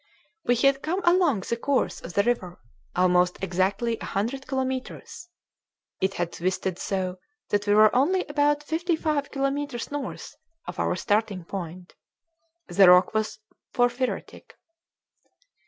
We had come along the course of the river almost exactly a hundred kilometres; it had twisted so that we were only about fifty five kilometres north of our starting point. The rock was porphyritic.